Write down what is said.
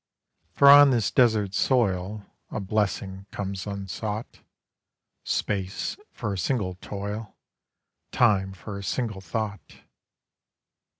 For on this desert soil A blessing comes unsought— Space for a single toil, Time for a single thought.